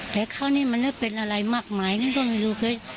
แต่คราวนี้มันไม่เป็นอะไรมากมายนี่ก็ไม่รู้เคย